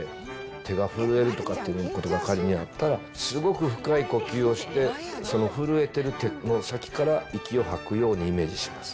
手が震えるとかっていうことが仮にあったら、すごく深い呼吸をして、その震えてる手の先から息を吐くようにイメージします。